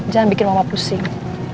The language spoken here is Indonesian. jangan bikin mama pusing